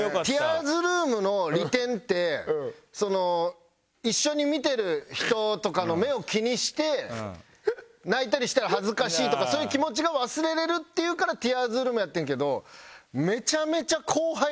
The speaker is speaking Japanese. ティアーズルームの利点って一緒に見てる人とかの目を気にして泣いたりしたら恥ずかしいとかそういう気持ちが忘れられるっていうからティアーズルームやってんけど。